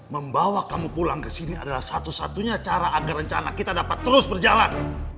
membawa kamu pulang ke sini adalah satu satunya cara agar rencana kita dapat terus berjalan